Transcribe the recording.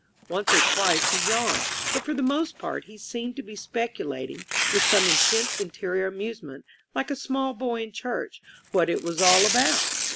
On e or twice he yawned, but for the most part he seemed to be speculating, with some intense interior amusement, like a small boy in church, what it was all about.